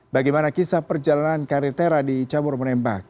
bagaimana kisah perjalanan karir tera di cabur menembak